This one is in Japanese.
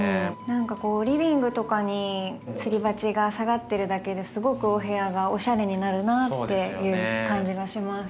何かこうリビングとかにつり鉢が下がってるだけですごくお部屋がおしゃれになるなっていう感じがします。